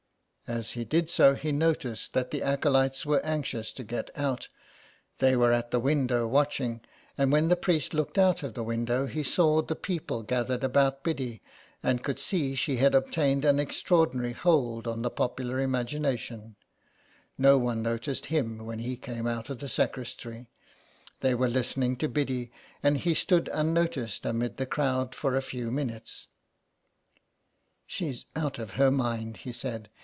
As he did so, he noticed that the acolytes were anxious to get out ; they were at the window watching, and when the priest looked out of the window he saw the people gathered about Biddy and could see she had obtained an extraordinary hold on the popular imagination ; no one noticed him when he came out of the sacristy; they were listening to Biddy, and he stood unnoticed amid the crowd for a few minutes. " She's out of her mind," he said.